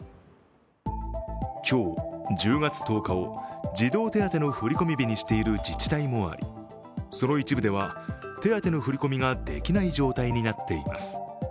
今日、１０月１０日を児童手当の振り込み日にしている自治体もあり、その一部では、手当の振り込みができない状態になっています。